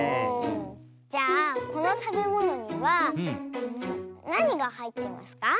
じゃあこのたべものにはなにがはいってますか？